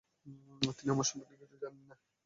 তিনিও আমার সম্পর্কে কিছু জানেন না।